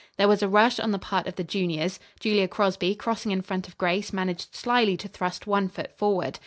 There was a rush on the part of the juniors. Julia Crosby, crossing in front of Grace, managed slyly to thrust one foot forward.